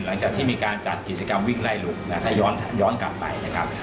หลังจากที่มีการจัดกิจกรรมวิ่งไล่ลุงถ้าย้อนกลับไปนะครับ